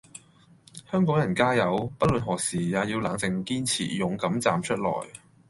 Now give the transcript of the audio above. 香港人加油！不管何時也要冷靜、堅持、勇敢站出來